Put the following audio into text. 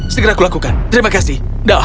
segera aku lakukan terima kasih